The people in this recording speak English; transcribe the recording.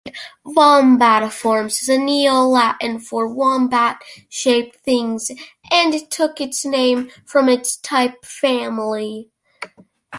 "Vombatiformes" is neo-Latin for "wombat-shaped things", and took its name from its type family.